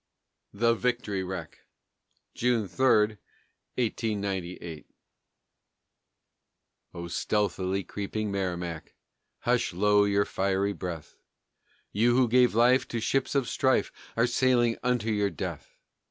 THE VICTORY WRECK [June 3, 1898] O stealthily creeping Merrimac, Hush low your fiery breath; You who gave life to ships of strife Are sailing unto your death!